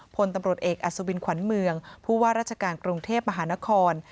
พลตำรวจเอกอัศวินขวัญเมืองผู้ว่าราชการกรุงเทพมหานคร